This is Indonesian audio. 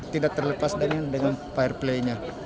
tidak terlepas dengan fireplaynya